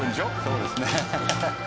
そうですね。